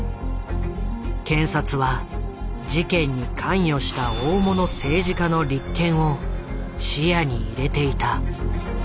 検察は事件に関与した大物政治家の立件を視野に入れていた。